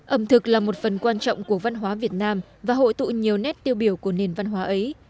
ẩm thực là một phần quan trọng của văn hóa việt nam và hội tụ nhiều nét tiêu biểu của nền văn hóa ấy